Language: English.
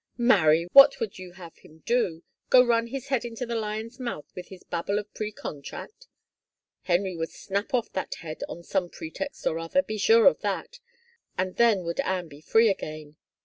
" Marry, what would you have him do — go run his head into the lion's mouth with his babble of precontract? Henry would snap oS that head on some pretext or other, be sure of that, and then would Anne be free again.